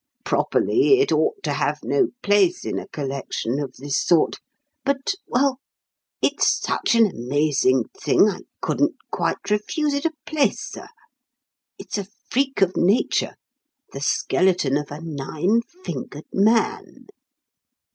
Properly, it ought to have no place in a collection of this sort, but well, it's such an amazing thing I couldn't quite refuse it a place, sir. It's a freak of nature. The skeleton of a nine fingered man."